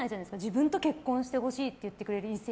自分と結婚してほしいって言ってくれる異性。